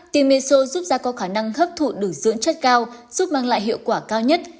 tiêm menso giúp da có khả năng hấp thụ được dưỡng chất cao giúp mang lại hiệu quả cao nhất